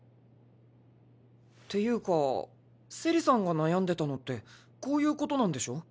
ていうかセリさんが悩んでたのってこういうことなんでしょ？